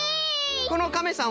このカメさん